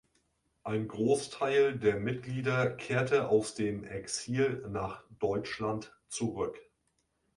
Ein Großteil der Mitglieder kehrte aus dem Exil nach Deutschland zurück.